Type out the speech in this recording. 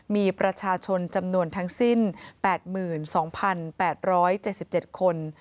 มีประชาชนจำนวนทั้งสิ้น๘๒๘๗๗คน